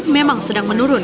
memang sedang menurun